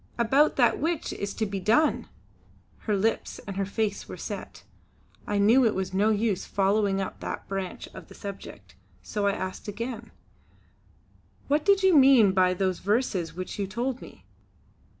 "About that which is to be done!" Her lips and her face were set; I knew it was no use following up that branch of the subject, so I asked again: "What did you mean by those verses which you told me?"